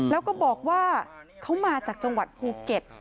แล้วก็บอกว่าเขามาจากจังหวัดภูเก็ต